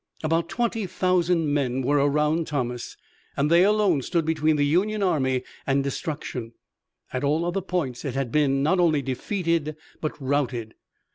About twenty thousand men were around Thomas, and they alone stood between the Union army and destruction. At all other points it had been not only defeated, but routed.